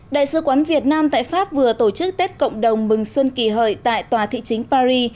đại sứ quán việt nam tại pháp vừa tổ chức tết cộng đồng mừng xuân kỳ hợi tại tòa thị chính paris